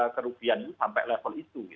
kerugian itu sampai level itu